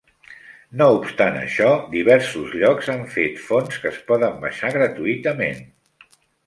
No obstant això, diversos llocs han fet fonts que es poden baixar gratuïtament.